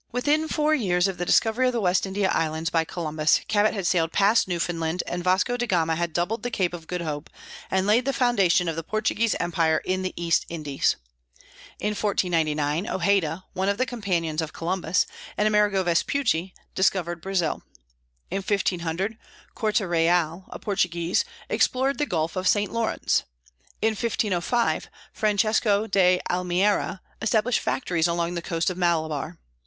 Within four years of the discovery of the West India Islands by Columbus, Cabot had sailed past Newfoundland, and Vasco da Gama had doubled the Cape of Good Hope, and laid the foundation of the Portuguese empire in the East Indies. In 1499 Ojeda, one of the companions of Columbus, and Amerigo Vespucci discovered Brazil. In 1500 Cortereal, a Portuguese, explored the Gulf of St. Lawrence. In 1505 Francesco de Almeira established factories along the coast of Malabar.